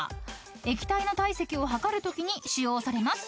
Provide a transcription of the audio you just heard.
［液体の体積を量るときに使用されます］